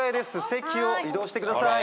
席を移動してください。